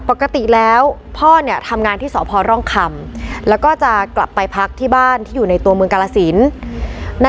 ปกติแล้วพ่อเนี่ยทำงานที่สพร่องคำแล้วก็จะกลับไปพักที่บ้านที่อยู่ในตัวเมืองกาลสิน